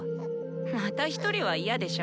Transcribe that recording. またひとりは嫌でしょ？